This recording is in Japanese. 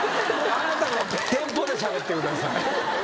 あなたのテンポでしゃべってください。